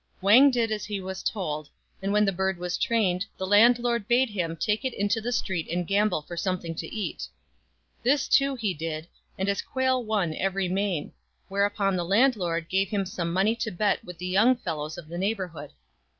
Wang did as he was told ; and when the bird was trained, the landlord bade him take it into the street and gamble for something to eat. This, too, he did, and his quail won every main ; whereupon the landlord gave him some money to bet with the young fellows of the neighbourhood.